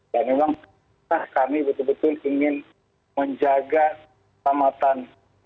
dan memang kita kami betul betul ingin menjaga tamatan